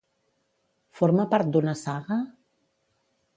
Forma part d'una saga?